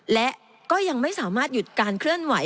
และก็ยังไม่สามารถหยุดการเคลื่อนไหว